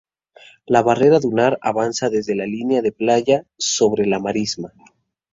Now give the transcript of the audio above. La barrera dunar avanza desde la línea de playa sobre la marisma.